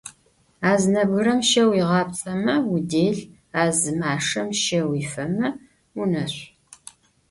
A zı nebgırem şe vuiğapts'eme vudel, a zı maşşem şe vuifeme vuneşsu.